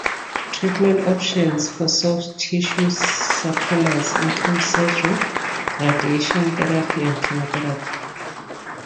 Treatment options for soft-tissue sarcomas include surgery, radiation therapy, and chemotherapy.